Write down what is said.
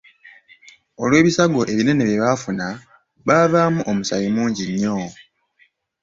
Olw'ebisago ebinene bye baafuna, baavaamu omusaayi mungi nnyo.